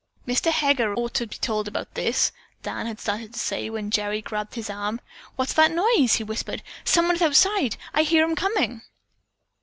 "Mr. Heger ought to be told about this," Dan had started to say, when Gerry grabbed his arm. "What's that noise?" he whispered. "Someone is outside. I hear 'em coming."